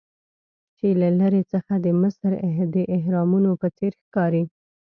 چې له لرې څخه د مصر د اهرامونو په څیر ښکاري.